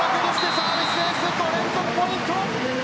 サービスエース５連続ポイント。